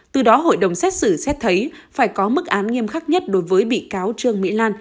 từ đó hội đồng xét xử xét thấy phải có mức án nghiêm khắc nhất đối với bị cáo trương mỹ lan